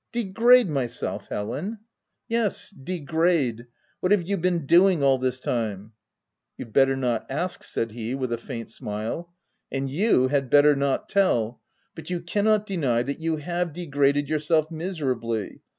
" Degrade myself, Helen }' 9 " Yes, degrade ! What have you been doing all this time ?" "You'd better not ask/ 7 said he with a faint smile. " And you had better not tell — but you can not deny that you have degraded yourself miser ably.